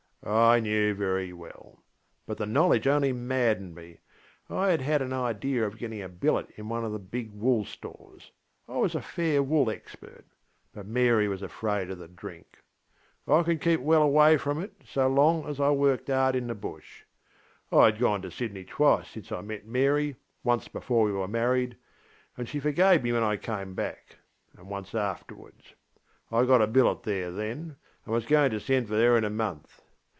(I knew very well, but the knowledge only maddened me. I had had an idea of getting a billet in one of the big wool stores ŌĆöI was a fair wool expertŌĆöbut Mary was afraid of the drink. I could keep well away from it so long as I worked hard in the Bush. I had gone to Sydney twice since I met Mary, once before we were married, and she forgave me when I came back; and once afterwards. I got a billet there then, and was going to send for her in a month.